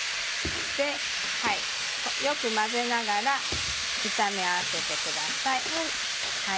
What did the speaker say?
よく混ぜながら炒め合わせてください。